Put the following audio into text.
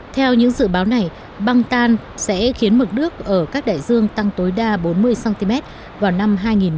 theo những dự báo này băng tan sẽ khiến mực nước ở các đại dương tăng tối đa bốn mươi cm vào năm hai nghìn một trăm linh